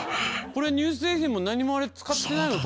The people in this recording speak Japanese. これ乳製品も何もあれ使ってないの？